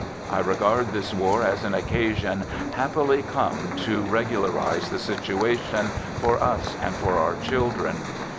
I regard this war as an occasion happily come to " regularize the situation," for us and for our children.